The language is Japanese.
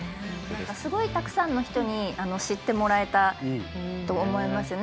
すごいたくさんの人に知ってもらえたと思いますね。